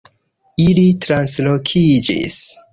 Ili translokiĝis